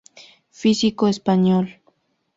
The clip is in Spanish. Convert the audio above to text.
Físico español.